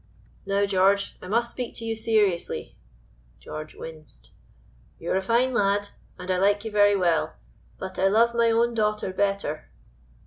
Now, George, I must speak to you seriously" (George winced). "You are a fine lad, and I like you very well, but I love my own daughter better."